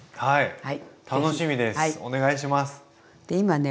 はい。